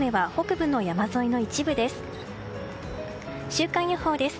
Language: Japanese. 週間予報です。